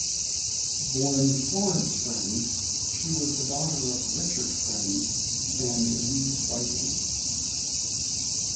Born Florence Friend, she was the daughter of Richard Friend and Elise Whiting.